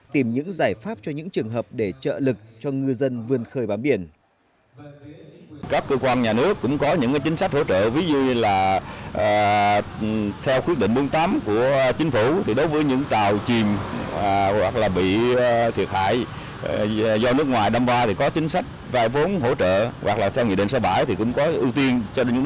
tìm những giải pháp cho những trường hợp để trợ lực cho ngư dân vươn khơi bám biển